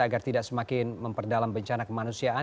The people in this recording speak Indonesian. agar tidak semakin memperdalam bencana kemanusiaan